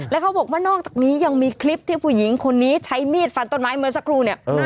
แล้วเขาบอกว่านอกจากนี้ยังมีคลิปที่ผู้หญิงคนนี้ใช้มีดฟันต้นไม้เมื่อสักครู่เนี่ย